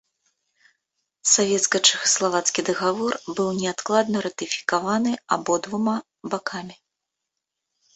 Савецка-чэхаславацкі дагавор быў неадкладна ратыфікаваны абодвума бакамі.